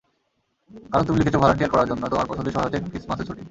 কারণ, তুমি লিখেছ, ভলান্টিয়ার করার জন্য তোমার পছন্দের সময় হচ্ছে ক্রিসমাসের ছুটি।